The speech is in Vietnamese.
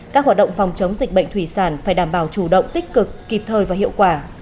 các hoạt động phòng chống dịch bệnh thủy sản phải đảm bảo chủ động tích cực kịp thời và hiệu quả